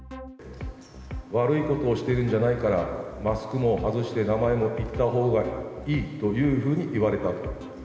悪いことをしてるんじゃないから、マスクも外して、名前も言ったほうがいいというふうに言われたと。